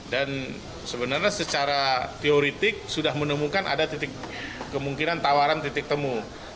dan sebenarnya secara teoretik sudah menemukan ada titik kemungkinan tawaran titik temu